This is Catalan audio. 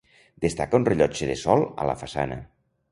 Destaca un rellotge de sol a la façana.